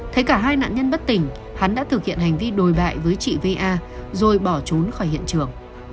thấy cả hai nạn nhân bất tỉnh hắn đã thực hiện hành vi đồi bại với chị va rồi bỏ trốn khỏi hiện trường